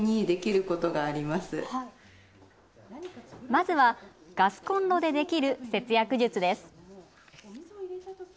まずはガスコンロでできる節約術です。